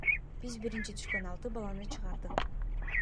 Биз биринчи түшкөн алты баланы чыгардык.